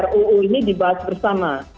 ruu ini dibahas bersama